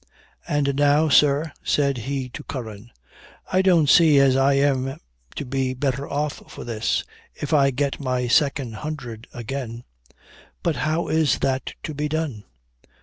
"And now, sir," said he to Cumin, "I don't see as I am to be better off for this, if I get my second hundred again; but how is that to be done?"